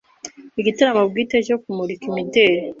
igitaramo bwite cyo kumurika imideli